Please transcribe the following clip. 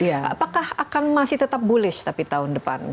apakah akan masih tetap bullish tapi tahun depan